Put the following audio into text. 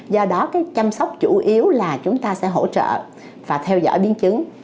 do đó chăm sóc chủ yếu là chúng ta sẽ hỗ trợ và theo dõi biến chứng